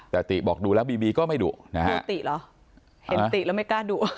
แต่ติบอกดูแล้วบีบีก็ไม่ดุนะฮะดูติเหรอเห็นติแล้วไม่กล้าดู